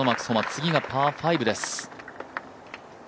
次がパー５です。